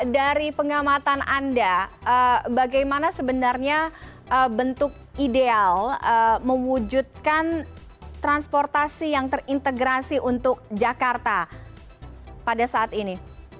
dari pengamatan anda bagaimana sebenarnya bentuk ideal mewujudkan transportasi yang terintegrasi untuk jakarta pada saat ini